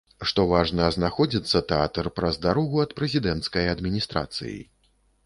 Што важна, знаходзіцца тэатр праз дарогу ад прэзідэнцкай адміністрацыі.